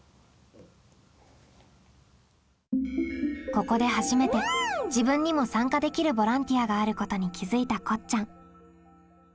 ここで初めて自分にも参加できるボランティアがあることに気づいたこっちゃん。